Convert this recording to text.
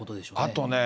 あとね、